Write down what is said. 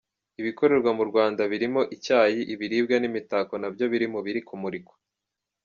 Ibikorerwa mu Rwanda birimo Icyayi, ibiribwa n’imitako na byo biri mu biri kumurikwa.